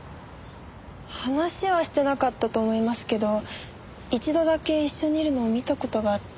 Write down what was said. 話はしてなかったと思いますけど一度だけ一緒にいるのを見た事があって。